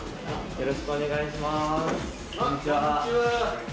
よろしくお願いします。